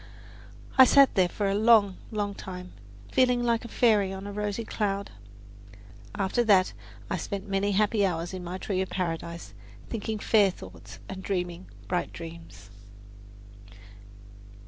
I sat there for a long, long time, feeling like a fairy on a rosy cloud. After that I spent many happy hours in my tree of paradise, thinking fair thoughts and dreaming bright dreams.